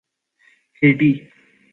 Haiti